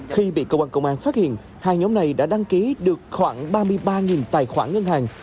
khi bị cơ quan công an phát hiện hai nhóm này đã đăng ký được khoảng ba mươi ba tài khoản ngân hàng